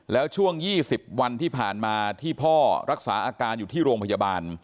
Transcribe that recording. แล้วช่วง๒๐วันที่ผ่านมาที่พ่อรักษาอาการอยู่ที่โรงพยาบาล